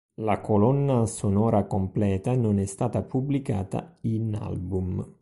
La colonna sonora completa non è stata pubblicata in album.